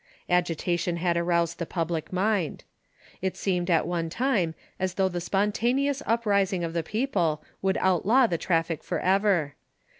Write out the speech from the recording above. Agitation had aroused the public mind. It seemed at one time as though the spontaneous up rising of the people would outlaw the traffic forever.